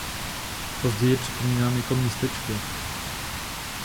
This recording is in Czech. Později je připomínán jako městečko.